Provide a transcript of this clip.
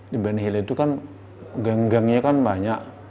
di benhil itu kan geng gengnya kan banyak